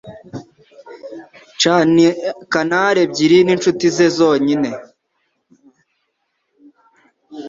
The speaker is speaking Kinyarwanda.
Canari ebyiri ninshuti ze zonyine.